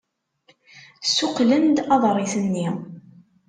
Ssuqqlen-d aḍris-nni.